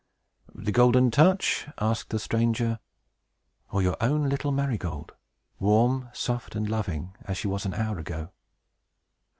"The Golden Touch," asked the stranger, "or your own little Marygold, warm, soft, and loving as she was an hour ago?"